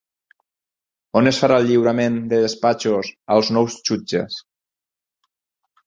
On es farà el lliurament de despatxos als nous jutges?